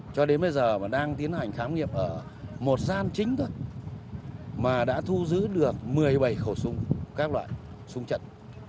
cho đến bây giờ mà đang tiến hành khám nghiệp ở một gian chính thôi mà đã thu giữ được một mươi bảy khẩu súng các loại súng trận